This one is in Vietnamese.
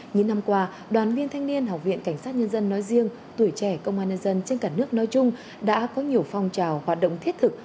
những năm qua đoàn viên thanh niên học viện cảnh sát nhân dân nói riêng tuổi trẻ công an nhân dân trên cả nước nói chung đã có nhiều phong trào hoạt động thiết thực